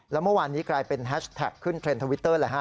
แล้วเมื่อวานนี้กลายเป็นแฮชแท็กขึ้นเทรนด์ทวิตเตอร์เลยฮะ